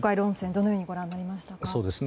どのようにご覧になりましたか？